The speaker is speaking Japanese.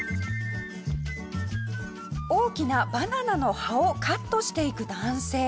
大きなバナナの葉をカットしていく男性。